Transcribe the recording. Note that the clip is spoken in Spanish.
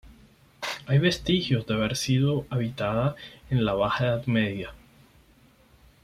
Hay vestigios de haber sido habitada en la la Baja Edad Media.